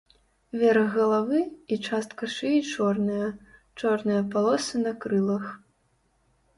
Верх галавы і частка шыі чорныя, чорныя палосы на крылах.